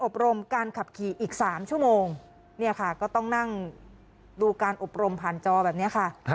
โปรดติดตามตอนต่อไป